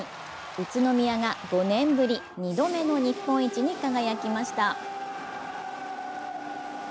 宇都宮が５年ぶり２度目の日本一に輝きました。